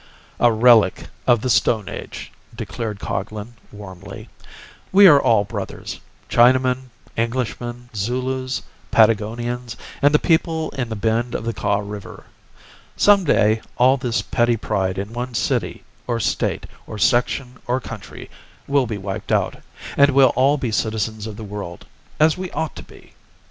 "A relic of the stone age," declared Coglan, warmly. "We are all brothers—Chinamen, Englishmen, Zulus, Patagonians and the people in the bend of the Kaw River. Some day all this petty pride in one's city or State or section or country will be wiped out, and we'll all be citizens of the world, as we ought to be."